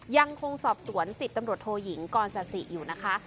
ยังคงสอบสวน๑๐ตำรวจโทยิงกรศาสิอยู่นะคะ